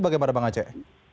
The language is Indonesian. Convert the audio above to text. bagaimana bang aceh